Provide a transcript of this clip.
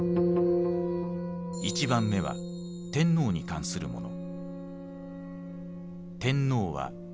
１番目は天皇に関するもの。